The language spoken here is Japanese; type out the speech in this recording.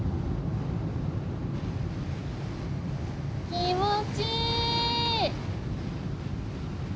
気持ちいい！